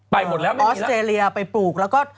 ไปหมดแล้วไม่มีแล้วออสเตรเลียไปปลูกแล้วก็